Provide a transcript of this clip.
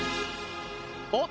おっ？